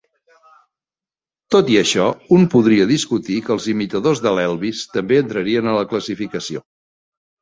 Tot i això, un podria discutir que els imitadors de l'Elvis també entrarien a la classificació.